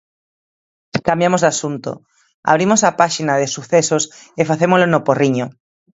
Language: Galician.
Cambiamos de asunto, abrimos a páxina de sucesos, e facémolo no Porriño.